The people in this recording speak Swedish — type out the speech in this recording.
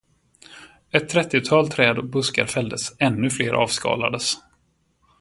Ett trettiotal träd och buskar fälldes, ännu fler avskalades.